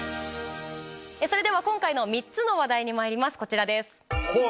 それでは今回の３つの話題にまいります。